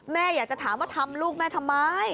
แม่อยากจะถามว่าทำลูกแม่ทำไม